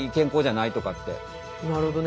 なるほどね。